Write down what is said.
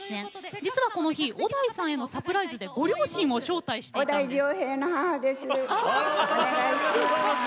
実は、この日小田井さんへのサプライズでご両親を招待していました。